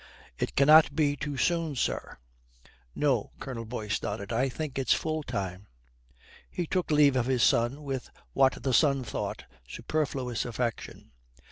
"It cannot be too soon, sir." "No." Colonel Boyce nodded. "I think it's full time." He took leave of his son with what the son thought superfluous affection.